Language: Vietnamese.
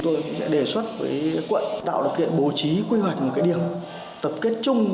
tôi sẽ đề xuất với quận tạo được kiện bố trí quy hoạch một cái điểm tập kết chung